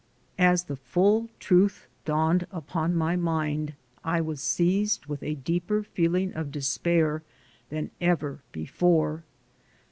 As the full truth dawned upon my mind, I was seized with a deeper feeling of despair than ever before.